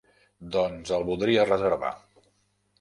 Doncs el voldria reservar.